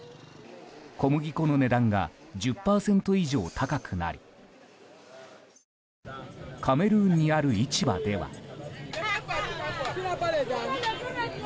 小麦粉の値段が１０％以上高くなりカメルーンにある市場では。